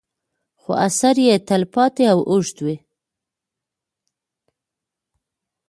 خو اثر یې تل پاتې او اوږد وي.